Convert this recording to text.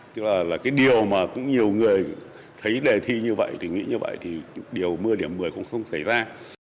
tức là cái điều mà cũng nhiều người thấy đề thi như vậy thì nghĩ như vậy thì điều mưa điểm một mươi cũng không xảy ra